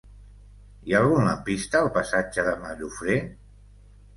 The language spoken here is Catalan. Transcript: Hi ha algun lampista al passatge de Mallofré?